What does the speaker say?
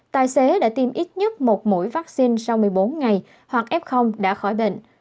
tài xế đã tiêm ít nhất một mũi vaccine sau một mươi bốn ngày hoặc f đã khỏi bệnh